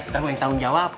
ntar gue yang tanggung jawab